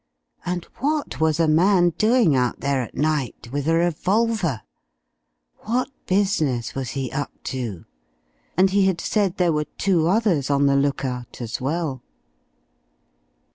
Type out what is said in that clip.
And what was a man doing out there at night, with a revolver? What business was he up to? And he had said there were two others on the look out, as well.